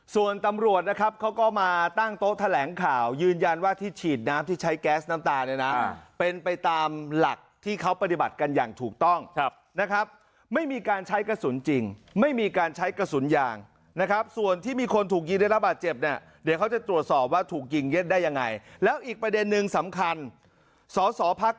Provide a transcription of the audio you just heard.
ส่วนตำรวจนะครับเขาก็มาตั้งโต๊ะแถลงข่าวยืนยันว่าที่ฉีดน้ำที่ใช้แก๊สน้ำตาเนี่ยนะเป็นไปตามหลักที่เขาปฏิบัติกันอย่างถูกต้องนะครับไม่มีการใช้กระสุนจริงไม่มีการใช้กระสุนยางนะครับส่วนที่มีคนถูกยิงได้รับบาดเจ็บเนี่ยเดี๋ยวเขาจะตรวจสอบว่าถูกยิงเย็ดได้ยังไงแล้วอีกประเด็นนึงสำคัญสอสอพัก